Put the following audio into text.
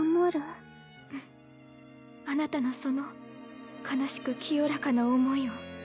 あなたのその悲しく清らかな思いを。